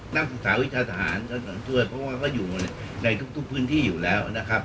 นักศึกษาวิชาทหารช่วยเพราะว่าเขาอยู่ในทุกพื้นที่อยู่แล้วนะครับ